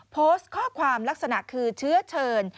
โพสต์ข้อความลักษณะคือเชื้อเชิญ